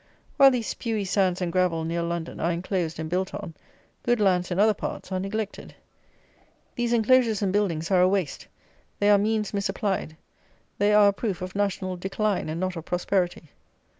While these spewy sands and gravel near London are enclosed and built on, good lands in other parts are neglected. These enclosures and buildings are a waste; they are means misapplied; they are a proof of national decline and not of prosperity.